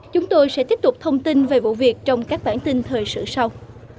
chúng tôi sẽ tiếp tục thông tin về vụ việc trong các bản tin thời sự sau